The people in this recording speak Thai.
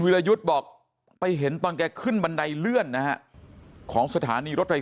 รยุทธ์บอกไปเห็นตอนแกขึ้นบันไดเลื่อนนะฮะของสถานีรถไฟ